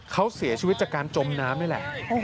เขาเสียชีวิตจากการจมน้ำนี่แหละ